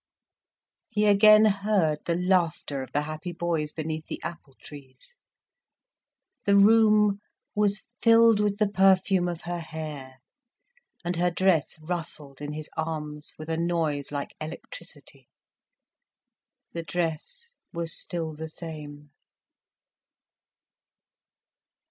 He again heard the laughter of the happy boys beneath the apple trees: the room was filled with the perfume of her hair; and her dress rustled in his arms with a noise like electricity. The dress was still the same.